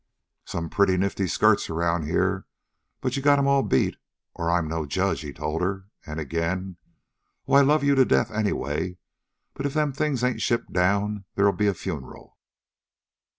"Some pretty nifty skirts around here, but you've got 'em all beat, or I'm no judge," he told her. And again: "Oh, I love you to death anyway. But if them things ain't shipped down there'll be a funeral."